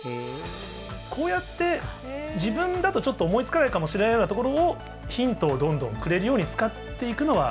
こうやって自分だとちょっと思いつかないかもしれないようなところをヒントをどんどんくれるように使っていくのは。